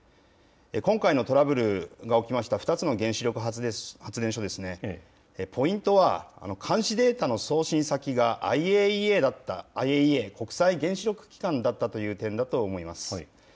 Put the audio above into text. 今回のトラブルが起きました２つの原子力発電所ですね、ポイントは監視データの送信先がＩＡＥＡ・国際原子力機関だったという点だと思います。